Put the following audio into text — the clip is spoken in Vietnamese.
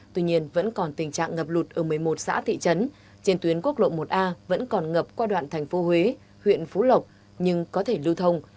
tuy nhiên vẫn còn tình trạng ngập lụt ở một mươi một xã thị trấn trên tuyến quốc lộ một a vẫn còn ngập qua đoạn thành phố huế huyện phú lộc nhưng có thể lưu thông